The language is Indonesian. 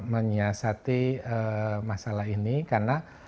menyiasati masalah ini karena